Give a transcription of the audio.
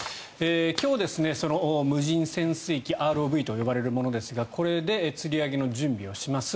今日、無人潜水機ＲＯＶと呼ばれるものですがこれでつり上げの準備をします。